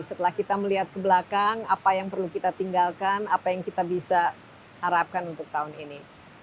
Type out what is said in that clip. setelah kita melihat ke belakang apa yang perlu kita tinggalkan apa yang kita bisa harapkan untuk tahun ini